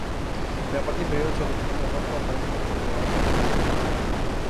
En la parte inferior sobre el fondo rojo, aparece el rostro de Balto Puente.